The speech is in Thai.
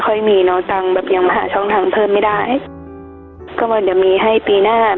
ก็บอกว่าเดี๋ยวมีให้ปีหน้า